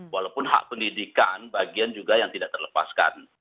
walaupun hak pendidikan bagian juga yang tidak terlepaskan